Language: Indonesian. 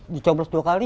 dicobles dua kali